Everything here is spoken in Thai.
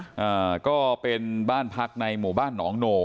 อ่าก็เป็นบ้านพักในหมู่บ้านหนองโน